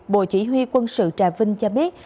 bộ chỉ huy quân sự trà vinh cho biết